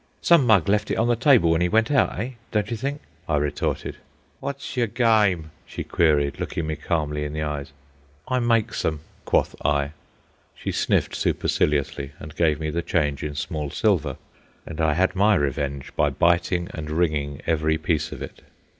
"Some mug left it on the table when he went out, eh, don't you think?" I retorted. "Wot's yer gyme?" she queried, looking me calmly in the eyes. "I makes 'em," quoth I. She sniffed superciliously and gave me the change in small silver, and I had my revenge by biting and ringing every piece of it.